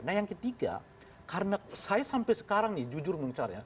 nah yang ketiga karena saya sampai sekarang nih jujur menurut saya